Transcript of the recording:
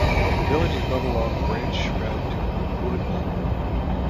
The village is built along a branch road to Wood Walton.